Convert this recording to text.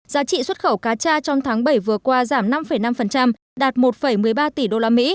giá trị xuất khẩu cá tra trong tháng bảy vừa qua giảm năm năm đạt một một mươi ba tỷ usd